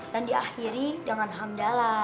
dan diakhiri dengan hamdallah